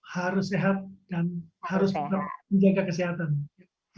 harus sehat dan harus tetap menjaga kesehatan